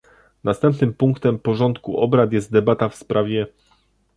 Następnym punktem porządku obrad jest debata w sprawie